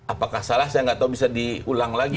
apakah salah saya nggak tahu bisa diulang lagi